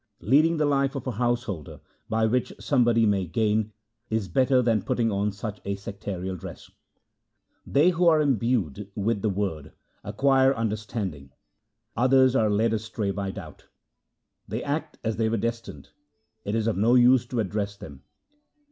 Leading the life of a householder, by which somebody may gain, is better than putting on such a sectarial dress. They who are imbued with the Word acquire under standing ; others are led astray by doubt. They act as they were destined ; it is of no use to address them.